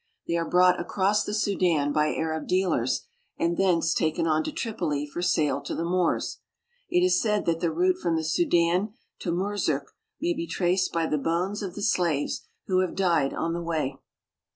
They are brought TRIPOLI AND ITS OASES icross the Sudan by Arab dealers, and thence taken on Ito Tripoli for sale to the Moors. It is said that the route [.from the Sudan to Hurzuk may be traced I by the bones of the ■'slaves who have died Ion the way.